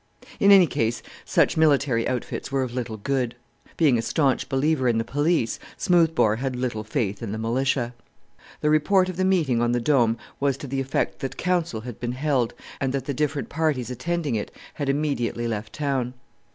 In any case, such military outfits were of little good. Being a staunch believer in the Police, Smoothbore had little faith in the Militia! The report of the meeting on the Dome was to the effect that council had been held and that the different parties attending it had immediately left town.